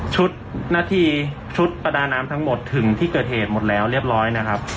นาทีชุดประดาน้ำทั้งหมดถึงที่เกิดเหตุหมดแล้วเรียบร้อยนะครับ